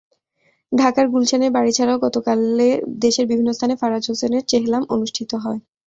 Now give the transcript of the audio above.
ঢাকার গুলশানের বাড়ি ছাড়াও গতকাল দেশের বিভিন্ন স্থানে ফারাজ হোসেনের চেহলাম অনুষ্ঠিত হয়।